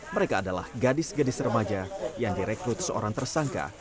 mereka adalah gadis gadis remaja yang direkrut seorang tersangka